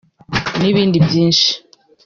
N’ibindi byinshi